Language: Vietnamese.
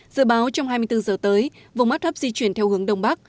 dự báo trong hai mươi bốn giờ tới vùng áp thấp di chuyển theo hướng đông bắc